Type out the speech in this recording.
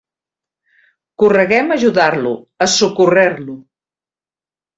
Correguem a ajudar-lo, a socórrer-lo.